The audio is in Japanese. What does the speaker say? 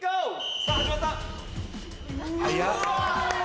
「さあ始まった！」